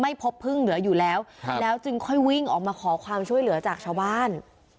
พบพึ่งเหลืออยู่แล้วแล้วจึงค่อยวิ่งออกมาขอความช่วยเหลือจากชาวบ้าน